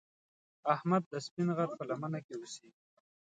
احمد د سپین غر په لمنه کې اوسږي.